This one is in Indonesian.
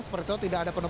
seperti itu tidak ada penuh